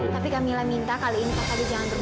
tapi kamilah minta kali ini kak fadil jangan terbohong